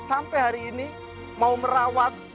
sampai hari ini mau merawat